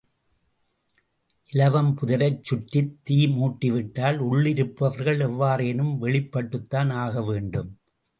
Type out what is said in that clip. இலவம் புதரைச் சுற்றித் தீ மூட்டிவிட்டால், உள்ளிருப்பவர்கள் எவ்வாறேனும் வெளிப்பட்டுத்தான் ஆகவேண்டும்.